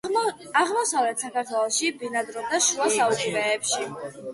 აღმოსავლეთ საქართველოში ბინადრობდა შუა საუკუნეებში.